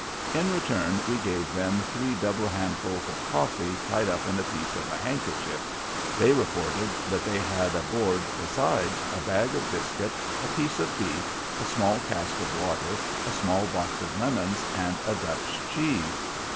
In return, we gave them three double handfuls of coffee, tied up in a piece of a handkerchief; they reported that they had aboard besides, a bag of biscuit, a piece of beef, a small cask of water, a small box of lemons, and a Dutch cheese.